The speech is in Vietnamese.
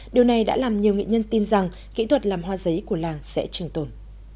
điều này đã làm nhiều nghị nhân tin rằng kỹ thuật làm hoa giấy của làng sẽ trừng tồn